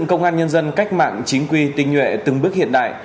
xây dựng công an nhân dân cách mạng chính quyền tình nhuệ từng bước hiện đại